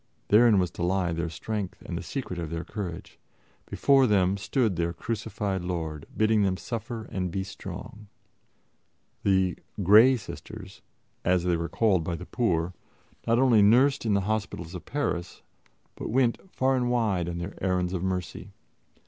Therein was to lie their strength and the secret of their courage; before them stood their crucified Lord, bidding them suffer and be strong. The "Grey Sisters," as they were called by the poor, not only nursed in the hospitals of Paris, but went far and wide on their errands of mercy.